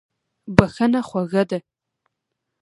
بښنه خوږه ده.